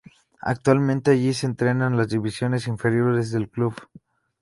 Actualmente allí se entrenan las divisiones inferiores del club.